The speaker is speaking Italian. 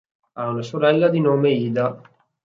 Ha una sorella di nome Ida.